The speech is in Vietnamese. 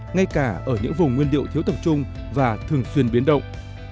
ngay cả ở những vùng nguyên liệu thiếu tập trung và thường xuyên biến động